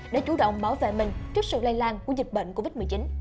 để chủ động bảo vệ mình trước sự lây lan của dịch bệnh covid một mươi chín